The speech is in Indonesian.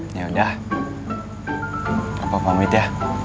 yaudah aku pamit ya